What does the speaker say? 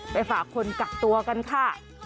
ไปฝากคนกักตัวกันค่ะ